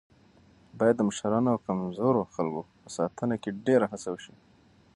باید د مشرانو او کمزورو خلکو په ساتنه کې ډېره هڅه وشي.